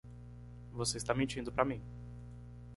Você está mentindo para mim.